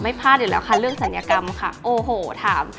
พลาดอยู่แล้วค่ะเรื่องศัลยกรรมค่ะโอ้โหถาม